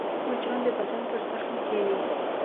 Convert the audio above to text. مچان د بدن پر زخم کښېني